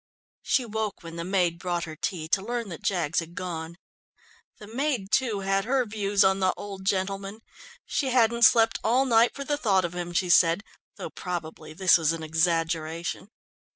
She woke when the maid brought her tea, to learn that Jaggs had gone. The maid, too, had her views on the "old gentleman." She hadn't slept all night for the thought of him, she said, though probably this was an exaggeration.